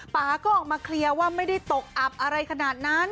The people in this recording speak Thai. ป่าก็ออกมาเคลียร์ว่าไม่ได้ตกอับอะไรขนาดนั้น